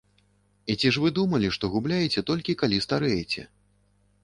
І ці ж вы думалі, што губляеце толькі, калі старэеце?